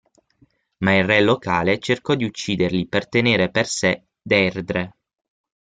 Ma il re locale cercò di ucciderli per tenere per sé Deirdre.